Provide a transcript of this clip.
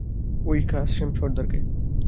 ঐ কাসেম সর্দারকে।